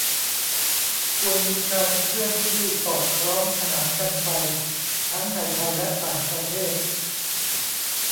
ควรมีการเคลื่อนที่สอดคล้องขนานกันไปทั้งในไทยและต่างประเทศ